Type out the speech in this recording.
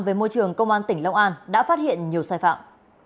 về môi trường công an tỉnh long an đã phát hiện nhiều sai phạm